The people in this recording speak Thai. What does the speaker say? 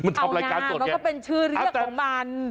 เอาหนาแล้วก็เป็นชื่อเรียกของมัน